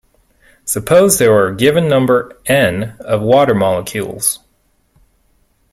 Suppose there are a given number "N" of water molecules.